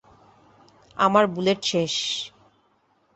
আমার বুলেট শেষ!